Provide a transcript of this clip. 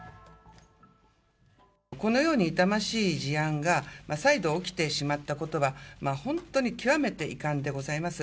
このように痛ましい事案が再度起きてしまったことは、本当に極めて遺憾でございます。